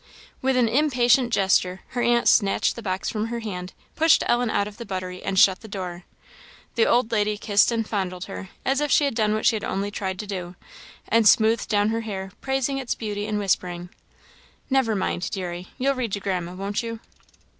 With an impatient gesture, her aunt snatched the box from her hand, pushed Ellen out of the buttery, and shut the door. The old lady kissed and fondled her, as if she had done what she had only tried to do; smoothed down her hair, praising its beauty, and whispered "Never mind, deary you'll read to Grandma, won't you?"